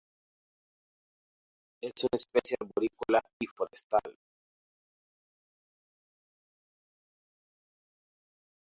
Es una especie arborícola y forestal.